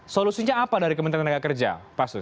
solusinya apa dari kementerian tenaga kerja pak sus